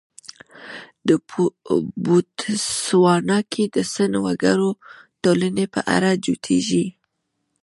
د بوتسوانا کې د سن وګړو ټولنې په اړه جوتېږي.